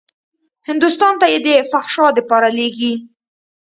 هندوستان ته يې د فحشا دپاره لېږي.